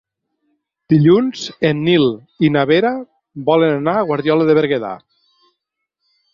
Dilluns en Nil i na Vera volen anar a Guardiola de Berguedà.